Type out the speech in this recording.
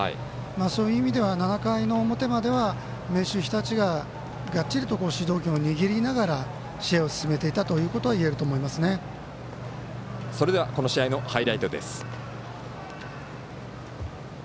そういう意味では７回の表までは明秀日立ががっちりと主導権を握りながら試合を進めていたということはこの試合のハイライトです。